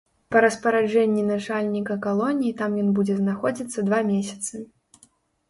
Па распараджэнні начальніка калоніі там ён будзе знаходзіцца два месяцы.